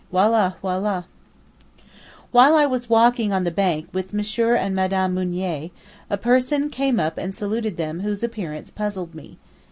Wallah, wallah! While I was walking on the bank with M. and Mme. Mounier, a person came up and saluted them whose appearance puzzled me.